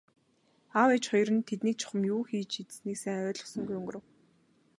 Аав ээж хоёр нь тэднийг чухам юу хийж идсэнийг сайн ойлгосонгүй өнгөрөв.